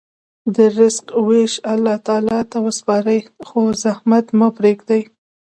د رزق ویش الله تعالی ته وسپارئ، خو زحمت مه پرېږدئ.